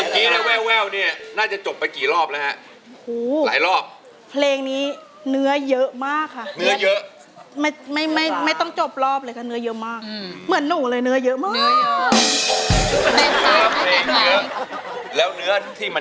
เธอจะเล่นหรือเธอจะไม่เล่นนะฮะ